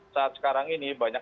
saat sekarang ini banyak